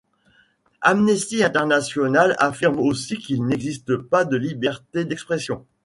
Amnesty International affirme aussi qu'il n'existe pas de liberté d'expression.